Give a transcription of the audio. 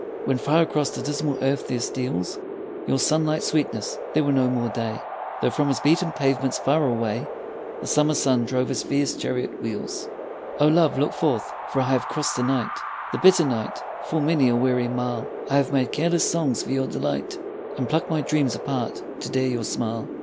When far across the dismal earth there steals Your sunlit sweetness, there were no more day, Though from his beaten pavements far away The summer sun drove his fierce chariot wheels. Oh, love I look forth, for I have crossed the night, The bitter night, full many a weary mile, I have made careless songs for your delight And plucked my dreams apart to dare your smile.